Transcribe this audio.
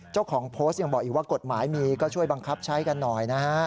เจ้าของโพสต์ยังบอกอีกว่ากฎหมายมีก็ช่วยบังคับใช้กันหน่อยนะฮะ